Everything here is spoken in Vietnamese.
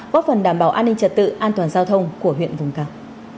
góp phần đảm bảo an ninh trật tự an toàn giao thông của huyện vùng cao